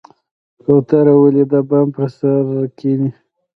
کوتره ولې د بام پر سر کیني؟